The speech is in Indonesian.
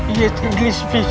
ini sebuah pol